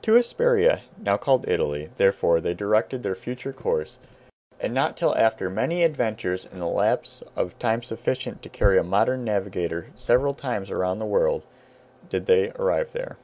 To Hesperia, now called Italy, therefore, they directed their future course, and not till after many adventures and the lapse of time sufficient to carry a modern navigator several times round the world, did they arrive there.